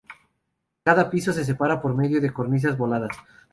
Cada piso se separa por medio de cornisas voladas.